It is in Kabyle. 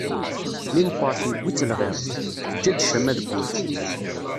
Mi meqqret yewwi-tt lɣir, teǧǧa-d ccama deg ul.